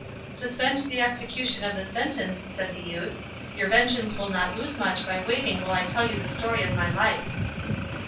"Suspend the execution of the sentence," said the youth; "your vengeance will not lose much by waiting while I tell you the story of my life."